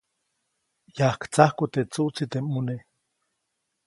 Yajtsajku teʼ tsuʼtsi teʼ mʼuneʼ.